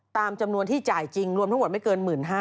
ตามจำนวนที่จ่ายจริงรวมทั้งหมดไม่เกิน๑๕๐๐